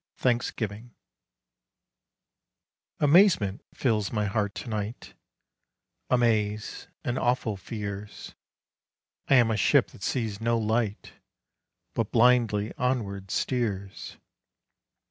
III. THANKSGIVING Amazement fills my heart to night, Amaze and awful fears; I am a ship that sees no light, But blindly onward steers.